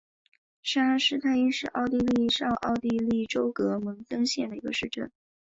沙恩施泰因是奥地利上奥地利州格蒙登县的一个市镇。